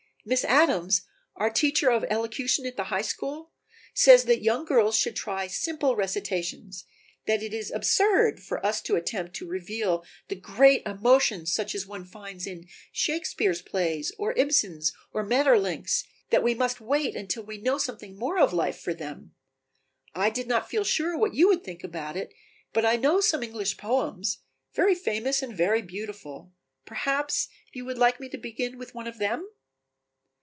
"Miss Adams, our teacher of elocution at the High School, says that young girls should try simple recitations, that it is absurd for us to attempt to reveal the great emotions such as one finds in Shakespeare's plays, or Ibsen's or Maeterlinck's, that we must wait until we know something more of life for them. I did not feel sure what you would think about it, but I know some English poems, very famous and very beautiful, perhaps you would like me to begin with one of them?"